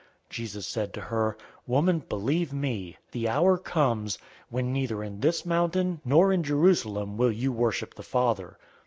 004:021 Jesus said to her, "Woman, believe me, the hour comes, when neither in this mountain, nor in Jerusalem, will you worship the Father.